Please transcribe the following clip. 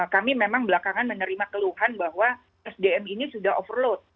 kami memang belakangan menerima keluhan bahwa sdm ini sudah overload